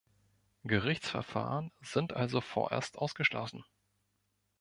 Gerichtsverfahren sind also vorerst ausgeschlossen.